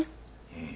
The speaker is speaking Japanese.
うん。